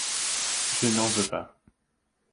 Je n'en veux pas.